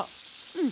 うん。